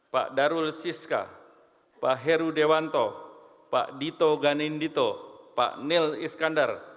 pak darul siska pak heru dewanto pak dito ganindito pak nil iskandar